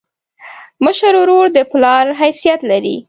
مشر ورور د پلار حیثیت لري.